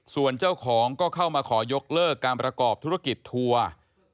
ส่วนเจ้าของก็เข้ามาขอยกเลิกการประกอบธุรกิจทัวร์